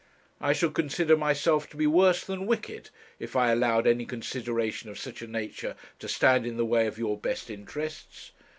I should consider myself to be worse than wicked if I allowed any consideration of such a nature to stand in the way of your best interests.